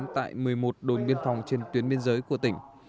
tại một mươi một đồn biên phòng trên tuyến biên giới của tỉnh